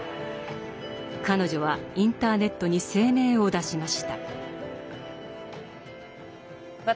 彼女はインターネットに声明を出しました。